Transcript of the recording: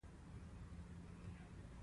ته زما غوره ملګری او د جګړې د وخت ورور یې.